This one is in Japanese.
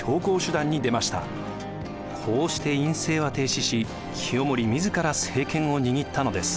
こうして院政は停止し清盛自ら政権を握ったのです。